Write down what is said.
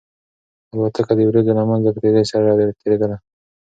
الوتکه د وريځو له منځه په تېزۍ سره تېرېدله.